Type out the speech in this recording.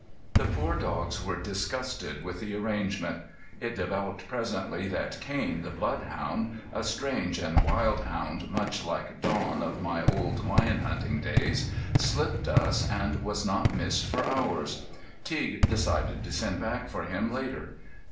The poor dogs were disgusted with the arrangement. It developed presently that Cain, the bloodhound, a strange and wild hound much like Don of my old lion hunting days, slipped us, and was not missed for hours. Teague decided to send back for him later.